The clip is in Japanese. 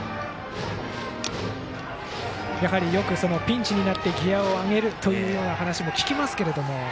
よくピンチになってギヤを上げるという話も聞きますけれども。